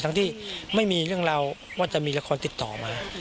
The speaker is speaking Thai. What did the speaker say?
ทั้งที่ไม่มีเรื่องราวว่าจะมีละครติดต่อมา